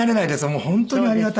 本当にありがたい。